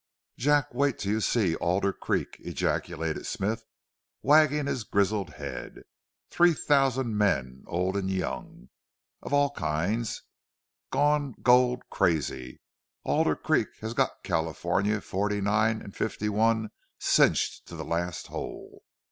"Jack, wait till you see Alder Creek!" ejaculated Smith, wagging his grizzled head. "Three thousand men, old an' young, of all kinds gone gold crazy! Alder Creek has got California's '49 and' '51 cinched to the last hole!"